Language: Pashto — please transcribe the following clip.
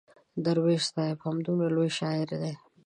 درویش صاحب همدومره لوی شاعر دی.